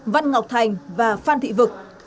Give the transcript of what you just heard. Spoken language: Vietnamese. văn ngọc thành và phan thị vực